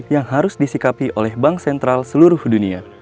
yang harus disikapi oleh bank sentral seluruh dunia